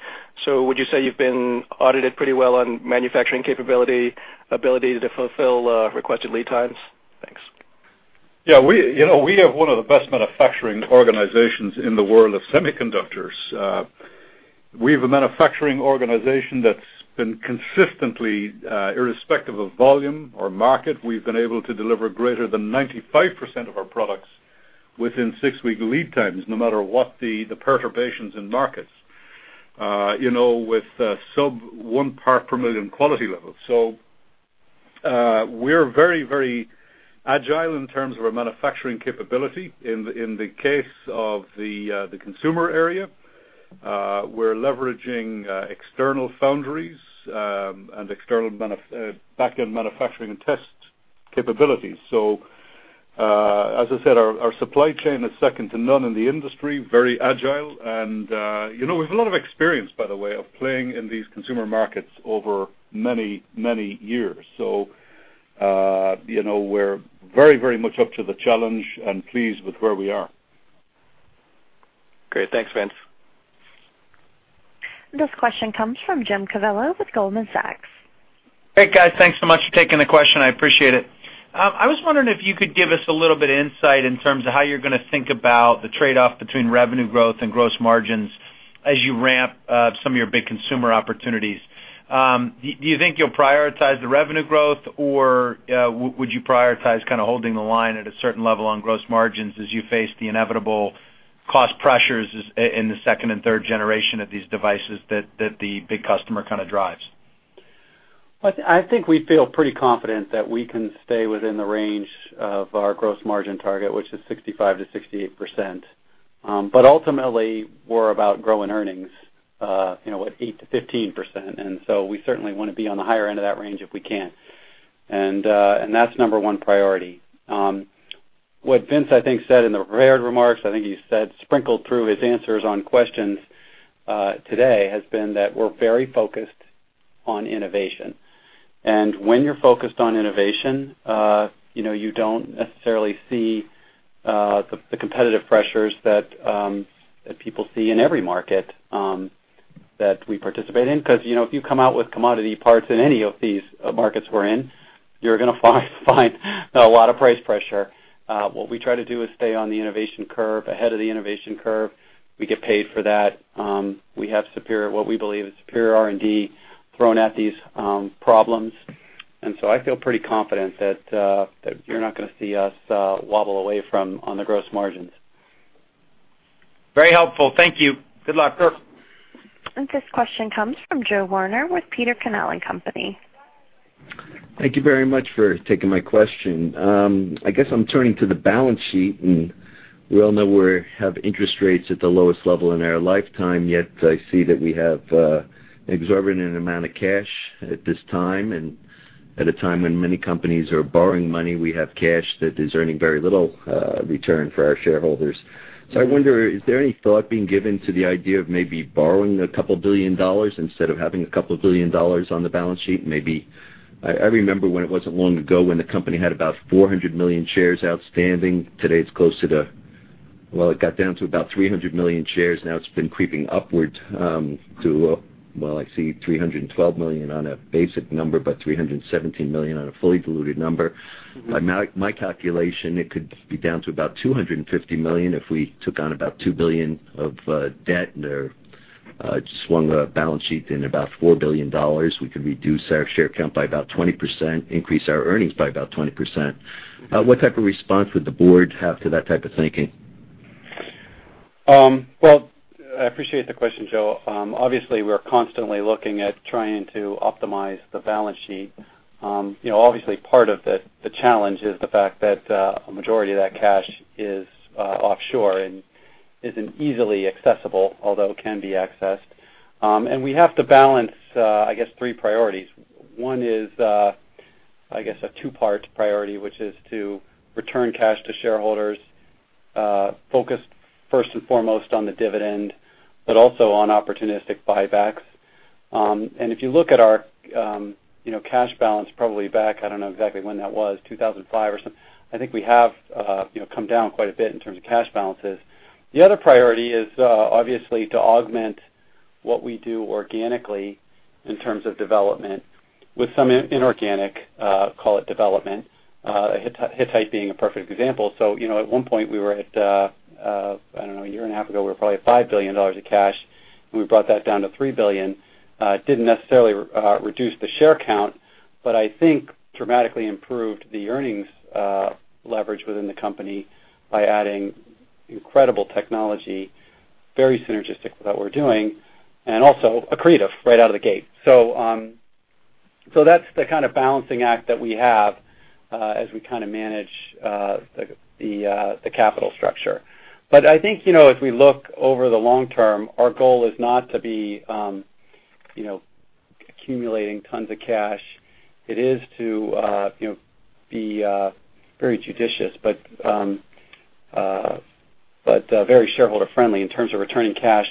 Would you say you've been audited pretty well on manufacturing capability, ability to fulfill requested lead times? Thanks. Yeah, we have one of the best manufacturing organizations in the world of semiconductors. We have a manufacturing organization that's been consistently, irrespective of volume or market, we've been able to deliver greater than 95% of our products within six-week lead times, no matter what the perturbations in markets, with sub one part per million quality levels. We're very agile in terms of our manufacturing capability. In the case of the consumer area, we're leveraging external foundries and external backend manufacturing and test capabilities. As I said, our supply chain is second to none in the industry, very agile, and we have a lot of experience, by the way, of playing in these consumer markets over many, many years. We're very much up to the challenge and pleased with where we are. Great. Thanks, Vince. This question comes from Jim Covello with Goldman Sachs. Hey, guys. Thanks so much for taking the question. I appreciate it. I was wondering if you could give us a little bit of insight in terms of how you're going to think about the trade-off between revenue growth and gross margins as you ramp some of your big consumer opportunities. Do you think you'll prioritize the revenue growth, or would you prioritize holding the line at a certain level on gross margins as you face the inevitable cost pressures in the second and third generation of these devices that the big customer drives? I think we feel pretty confident that we can stay within the range of our gross margin target, which is 65%-68%. Ultimately, we're about growing earnings at 8%-15%, we certainly want to be on the higher end of that range if we can. That's number 1 priority. What Vince, I think, said in the prepared remarks, I think he said sprinkled through his answers on questions today, has been that we're very focused on innovation. When you're focused on innovation, you don't necessarily see the competitive pressures that people see in every market that we participate in. Because if you come out with commodity parts in any of these markets we're in, you're going to find a lot of price pressure. What we try to do is stay on the innovation curve, ahead of the innovation curve. We get paid for that. We have what we believe is superior R&D thrown at these problems. I feel pretty confident that you're not going to see us wobble away from on the gross margins. Very helpful. Thank you. Good luck. Sure. This question comes from Joe Werner with Peter Canell and Company. Thank you very much for taking my question. I guess I'm turning to the balance sheet, and we all know we have interest rates at the lowest level in our lifetime, yet I see that we have an exorbitant amount of cash at this time. At a time when many companies are borrowing money, we have cash that is earning very little return for our shareholders. I wonder, is there any thought being given to the idea of maybe borrowing $2 billion instead of having $2 billion on the balance sheet? I remember when it wasn't long ago when the company had about 400 million shares outstanding. Today, it's close to the Well, it got down to about 300 million shares, now it's been creeping upward to, well, I see 312 million on a basic number, but 317 million on a fully diluted number. By my calculation, it could be down to about 250 million if we took on about $2 billion of debt and/or swung the balance sheet in about $4 billion. We could reduce our share count by about 20%, increase our earnings by about 20%. What type of response would the board have to that type of thinking? Well, I appreciate the question, Joe. We're constantly looking at trying to optimize the balance sheet. Part of the challenge is the fact that a majority of that cash is offshore and isn't easily accessible, although it can be accessed. We have to balance, I guess, three priorities. One is, I guess, a two-part priority, which is to return cash to shareholders, focused first and foremost on the dividend, but also on opportunistic buybacks. If you look at our cash balance probably back, I don't know exactly when that was, 2005 or something, I think we have come down quite a bit in terms of cash balances. The other priority is, obviously, to augment what we do organically in terms of development with some inorganic, call it development, Hittite being a perfect example. At one point, I don't know, a year and a half ago, we were probably at $5 billion of cash. We brought that down to $3 billion. Didn't necessarily reduce the share count, but I think dramatically improved the earnings leverage within the company by adding incredible technology, very synergistic with what we're doing, also accretive right out of the gate. That's the kind of balancing act that we have as we manage the capital structure. I think, if we look over the long term, our goal is not to be accumulating tons of cash. It is to be very judicious, but very shareholder-friendly in terms of returning cash,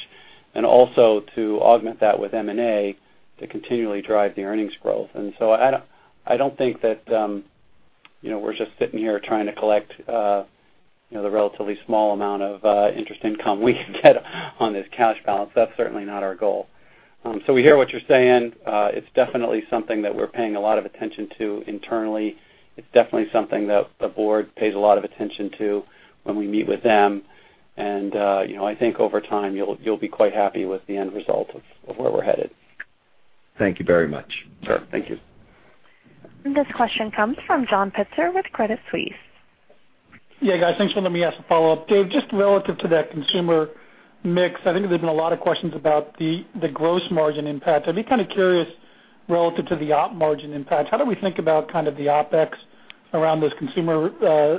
also to augment that with M&A to continually drive the earnings growth. I don't think that we're just sitting here trying to collect the relatively small amount of interest income we can get on this cash balance. That's certainly not our goal. We hear what you're saying. It's definitely something that we're paying a lot of attention to internally. It's definitely something that the board pays a lot of attention to when we meet with them. I think over time, you'll be quite happy with the end result of where we're headed. Thank you very much. Sure. Thank you. This question comes from John Pitzer with Credit Suisse. Yeah, guys. Thanks for letting me ask a follow-up. Dave, just relative to that consumer mix, I think there's been a lot of questions about the gross margin impact. I'd be kind of curious relative to the op margin impact, how do we think about kind of the OpEx around those consumer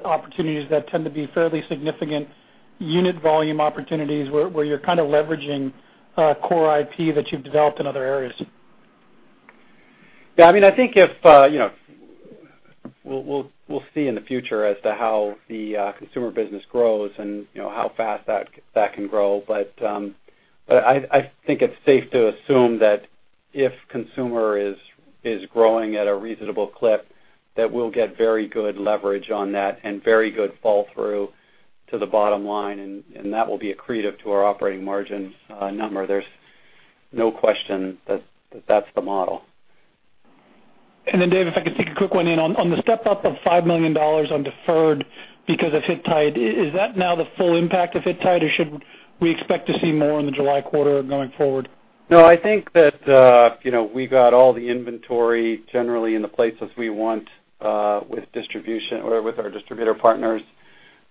opportunities that tend to be fairly significant unit volume opportunities where you're kind of leveraging core IP that you've developed in other areas? Yeah. We'll see in the future as to how the consumer business grows and how fast that can grow. I think it's safe to assume that if consumer is growing at a reasonable clip, that we'll get very good leverage on that and very good fall through to the bottom line, and that will be accretive to our operating margins number. There's no question that that's the model. Dave, if I could take a quick one in. On the step-up of $5 million on deferred because of Hittite, is that now the full impact of Hittite, or should we expect to see more in the July quarter going forward? No, I think that we got all the inventory generally in the places we want with our distributor partners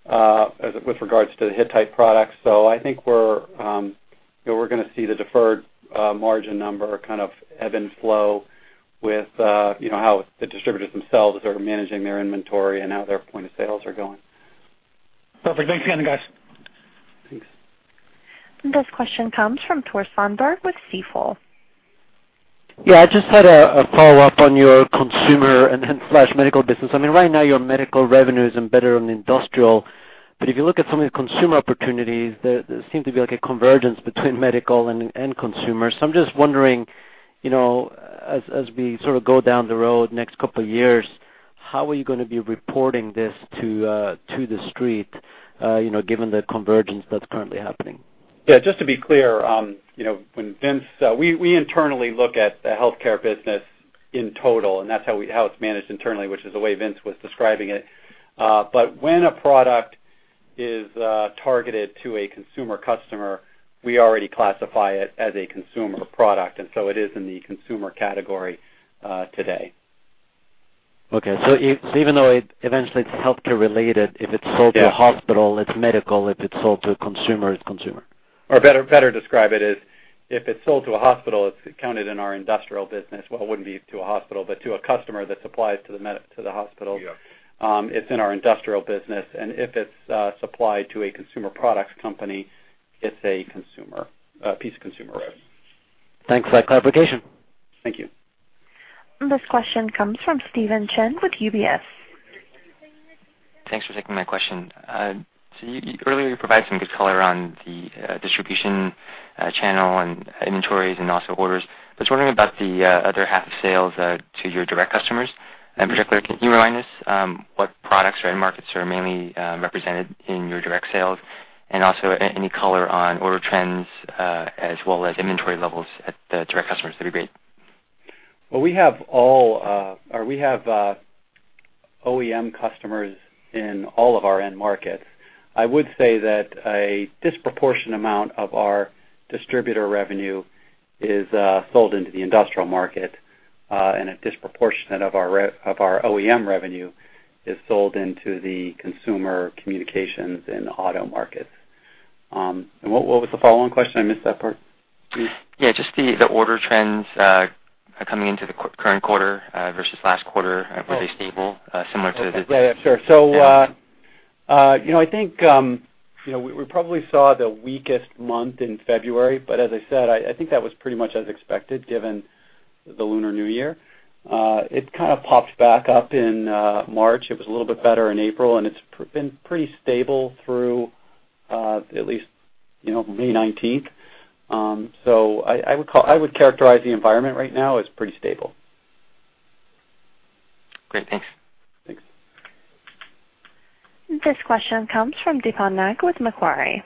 with regards to the Hittite products. So I think we're going to see the deferred margin number kind of ebb and flow with how the distributors themselves are managing their inventory and how their point of sales are going. Perfect. Thanks again, guys. Thanks. This question comes from Tore Svanberg with Stifel. Yeah, I just had a follow-up on your consumer and then slash medical business. I mean, right now, your medical revenues and better on industrial. If you look at some of the consumer opportunities, there seem to be a convergence between medical and consumer. I'm just wondering, as we go down the road next couple of years, how are you going to be reporting this to the street, given the convergence that's currently happening? Yeah, just to be clear, we internally look at the healthcare business in total, and that's how it's managed internally, which is the way Vince was describing it. When a product is targeted to a consumer customer, we already classify it as a consumer product. It is in the consumer category today. Okay. Even though eventually it's healthcare related, if it's sold to a hospital, it's medical, if it's sold to a consumer, it's consumer. Better described it is, if it's sold to a hospital, it's counted in our industrial business. Well, it wouldn't be to a hospital, but to a customer that supplies to the hospital. Yeah. It's in our industrial business, if it's supplied to a consumer products company, it's a piece of consumer rev. Thanks for that clarification. Thank you. This question comes from Stephen Chin with UBS. Thanks for taking my question. Earlier, you provided some good color on the distribution channel and inventories and also orders. I was wondering about the other half of sales to your direct customers. In particular, can you remind us what products or end markets are mainly represented in your direct sales, and also any color on order trends, as well as inventory levels at the direct customers? That'd be great. Well, we have OEM customers in all of our end markets. I would say that a disproportionate amount of our distributor revenue is sold into the industrial market, and a disproportionate of our OEM revenue is sold into the consumer communications and auto markets. What was the follow-on question? I missed that part. Yeah, just the order trends, coming into the current quarter versus last quarter. Are they stable, similar to the business? Yeah, sure. I think, we probably saw the weakest month in February, but as I said, I think that was pretty much as expected given the Lunar New Year. It kind of popped back up in March. It was a little bit better in April, and it's been pretty stable through at least May 19th. I would characterize the environment right now as pretty stable. Great. Thanks. Thanks. This question comes from Deepon Nag with Macquarie.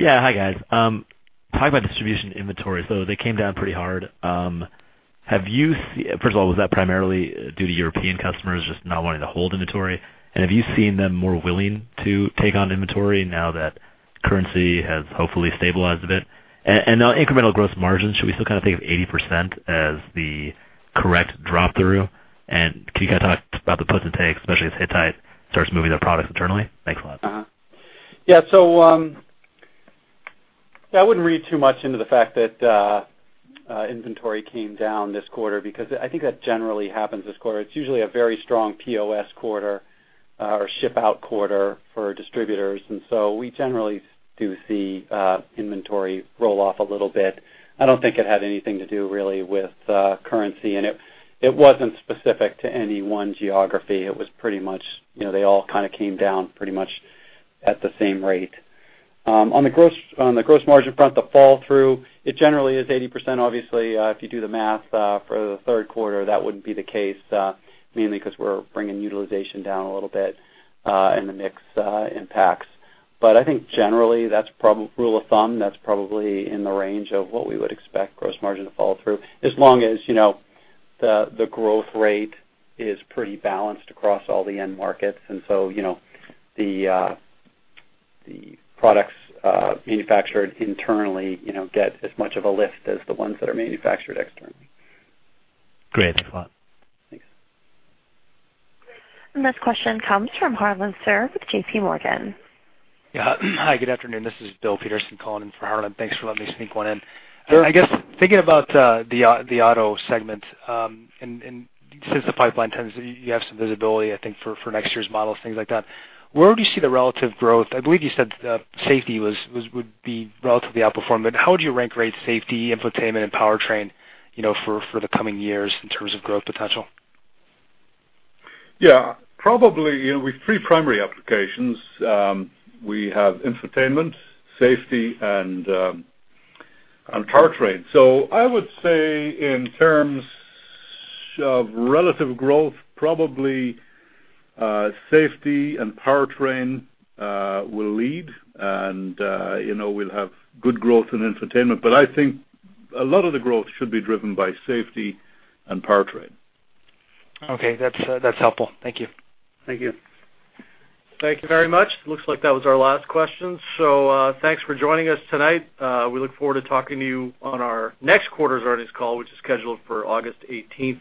Hi, guys. Talking about distribution inventory, they came down pretty hard. First of all, was that primarily due to European customers just not wanting to hold inventory? Have you seen them more willing to take on inventory now that currency has hopefully stabilized a bit? On incremental gross margins, should we still think of 80% as the correct drop-through? Can you talk about the puts and takes, especially as Hittite starts moving their products internally? Thanks a lot. I wouldn't read too much into the fact that inventory came down this quarter, because I think that generally happens this quarter. It's usually a very strong POS quarter or ship-out quarter for distributors. We generally do see inventory roll off a little bit. I don't think it had anything to do really with currency, and it wasn't specific to any one geography. They all kind of came down pretty much at the same rate. On the gross margin front, the fall through, it generally is 80%. Obviously, if you do the math, for the third quarter, that wouldn't be the case, mainly because we're bringing utilization down a little bit, and the mix impacts. I think generally, rule of thumb, that's probably in the range of what we would expect gross margin to fall through, as long as the growth rate is pretty balanced across all the end markets. The products manufactured internally get as much of a lift as the ones that are manufactured externally. Great. Thanks a lot. Thanks. This question comes from Harlan Sur with J.P. Morgan. Yeah. Hi, good afternoon. This is Bill Peterson calling in for Harlan. Thanks for letting me sneak one in. Sure. I guess, thinking about the auto segment, and since the pipeline trends, you have some visibility, I think, for next year's models, things like that. Where would you see the relative growth? I believe you said safety would be relatively outperforming, but how would you rank safety, infotainment, and powertrain, for the coming years in terms of growth potential? Yeah. Probably, with three primary applications. We have infotainment, safety, and powertrain. I would say in terms of relative growth, probably safety and powertrain will lead. We'll have good growth in infotainment, but I think a lot of the growth should be driven by safety and powertrain. Okay. That's helpful. Thank you. Thank you. Thank you very much. Looks like that was our last question. Thanks for joining us tonight. We look forward to talking to you on our next quarter's earnings call, which is scheduled for August 18th,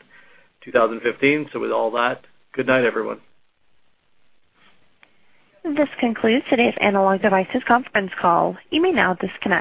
2015. With all that, good night, everyone. This concludes today's Analog Devices conference call. You may now disconnect.